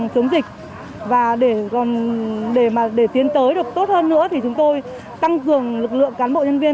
chống dịch và để mà để tiến tới được tốt hơn nữa thì chúng tôi tăng cường lực lượng cán bộ nhân viên